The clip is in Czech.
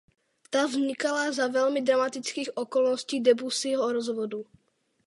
Ta vznikala za velmi dramatických okolností Debussyho rozvodu.